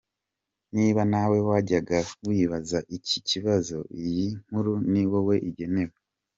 Niba nawe wajyaga wibaza iki kibazo, iyi nkuru ni wowe igenewe.